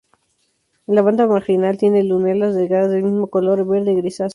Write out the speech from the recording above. En la banda marginal, tiene lúnulas delgadas del mismo color, verde grisáceo.